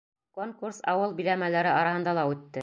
Конкурс ауыл биләмәләре араһында ла үтте.